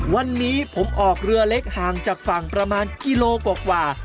วันนี้ผมออกเรือเล็กห่างจากฝั่งประมาณกิโลกว่า